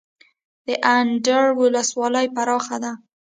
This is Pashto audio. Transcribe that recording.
د اندړ ولسوالۍ پراخه ده